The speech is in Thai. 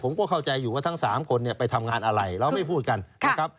ผมก็เข้าใจอยู่ว่าทั้งสามคนเนี้ยไปทำงานอะไรแล้วไม่พูดกันครับ